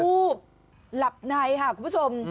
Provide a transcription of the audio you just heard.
วูบหลับในค่ะคุณผู้ชม